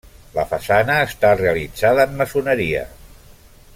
La façana està realitzada en maçoneria.